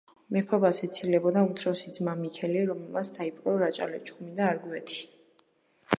მეფობას ეცილებოდა უმცროსი ძმა მიქელი, რომელმაც დაიპყრო რაჭა-ლეჩხუმი და არგვეთი.